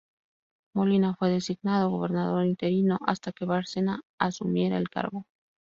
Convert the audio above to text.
Molina fue designado gobernador interino hasta que Bárcena asumiera el cargo.